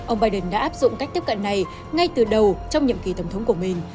ông biden đã áp dụng cách tiếp cận này ngay từ đầu trong nhiệm kỳ tổng thống của mình